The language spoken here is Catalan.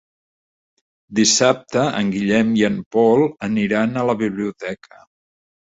Dissabte en Guillem i en Pol aniran a la biblioteca.